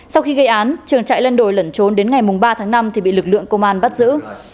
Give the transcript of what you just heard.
sau khi gây án trường chạy lên đồi lẩn trốn đến ngày ba tháng năm thì bị lực lượng công an bắt giữ